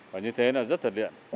và như thế nó rất thật điện